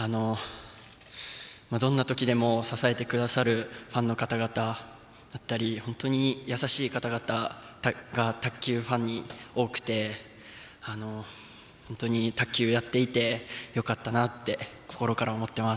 どんな時でも支えてくださるファンの方々だったり優しい方々が卓球ファンに多くて本当に卓球やっていてよかったなって心から思ってます。